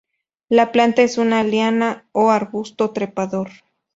La planta es una liana o arbusto trepador.